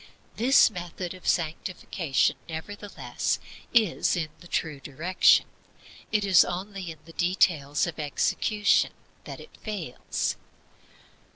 This method of sanctification, nevertheless, is in the true direction. It is only in the details of execution that it fails.